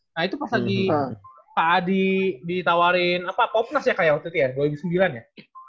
nah itu pas lagi pak adi ditawarin popnas ya kayak waktu itu ya dua ribu sembilan ya